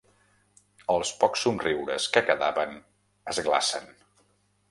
Els pocs somriures que quedaven es glacen.